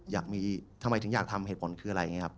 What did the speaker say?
อยากมีทำไมถึงอยากทำเหตุผลคืออะไรอย่างนี้ครับ